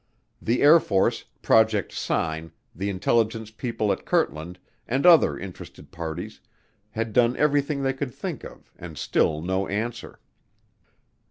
The Air Force, Project Sign, the intelligence people at Kirtland, and other interested parties had done everything they could think of and still no answer.